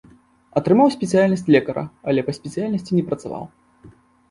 Атрымаў спецыяльнасць лекара, але па спецыяльнасці не працаваў.